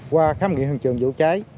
qua khám nghiệm thường trường vụ cháy